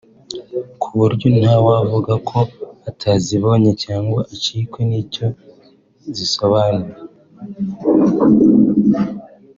ku buryo nta wavuga ko atazibonye cyangwa acikwe n’icyo zisobanuye